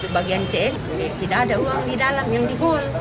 bagian cs tidak ada uang di dalam yang di hold